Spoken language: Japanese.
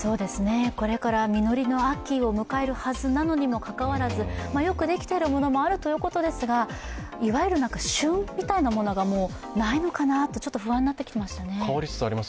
これから実りの秋を迎えるはずなのにもかかわらずよくできているものもあるということですがいわゆる旬みたいなものがもうないのかなとちょっと不安になってきましたね。